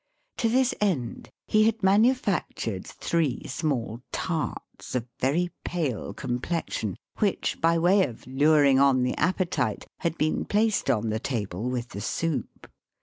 To this end he had manufactured three small tarts, of very pale complexion, which, by way of luring on the appetite, had been placed on the table with the soup.